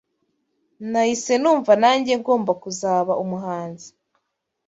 Nahise numva nange ngomba kuzaba umuhanzi